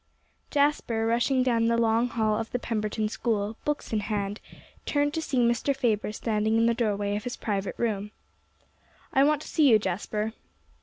Jasper, rushing down the long hall of the Pemberton School, books in hand, turned to see Mr. Faber standing in the doorway of his private room. "I want to see you, Jasper."